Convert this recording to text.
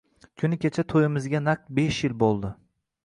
Kuni kecha to`yimizga naq beshyil bo`ldi